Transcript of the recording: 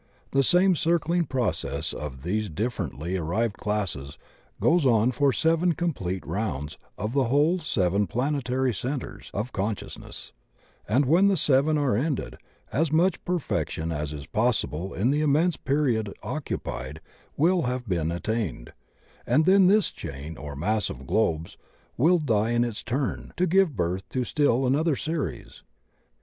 The same circling process of these differ ently arrived classes goes on for seven complete Rounds of the whole seven planetary centres of con sciousness, and when the seven are ended as much perfection as is possible in the immense period occu pied wiU have been attained, and then diis chain or mass of "'globes" will die in its turn to give birth to still another series.